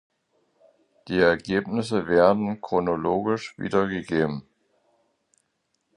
Die Ereignisse werden chronologisch wiedergegeben.